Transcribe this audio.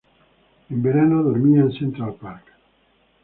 En verano dormía en Central Park.